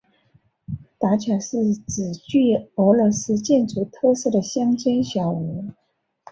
达恰是指具有俄罗斯建筑特色的乡间小屋。